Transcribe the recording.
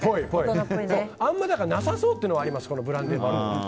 あんまりなさそうというのはあります、ブランデーマロン。